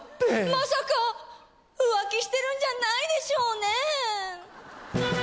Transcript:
まさか浮気してるんじゃないでしょうね？